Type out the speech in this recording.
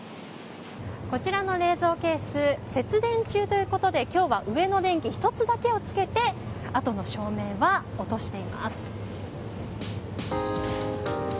こちらの冷蔵ケース節電中ということで今日は上の電気１つだけをつけてあとの照明は落としています。